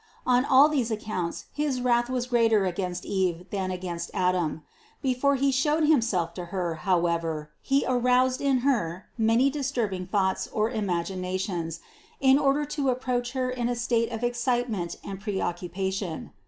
On all these accounts his wrath was greater against Eve than against Adam. Before he showed himself to her, however, he aroused in her many disturbing thoughts or imaginations, in order to approach her in a state of excitement and pre occupation.